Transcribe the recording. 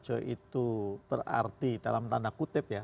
pak agus raharjo itu berarti dalam tanda kutip ya